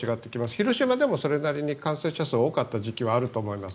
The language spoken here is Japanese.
広島でもそれなりに感染者数が多かった時期はあると思います。